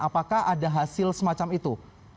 apakah ada hasil semacam itu